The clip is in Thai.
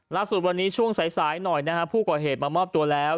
ล่าสุดวันนี้ช่วงสายหน่อยนะฮะผู้ก่อเหตุมามอบตัวแล้ว